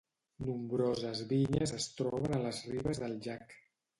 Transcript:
Nombroses vinyes es troben a les ribes del llac.